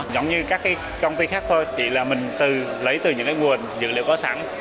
giống như các công ty khác thôi chỉ là mình lấy từ những nguồn dữ liệu có sẵn